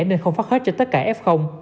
nên không phát hết cho tất cả f